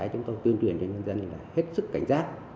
chúng tôi tuyên truyền cho nhân dân là hết sức cảnh giác